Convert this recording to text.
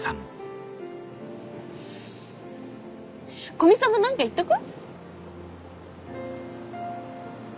古見さんも何か言っとく？